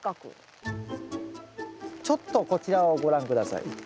ちょっとこちらをご覧下さい。